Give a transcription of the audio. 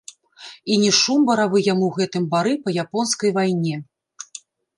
І не шум баравы яму ў гэтым бары па японскай вайне.